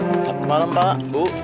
selamat malam pak